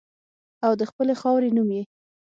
او د خپلې خاورې نوم یې